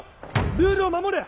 ルールを守れ！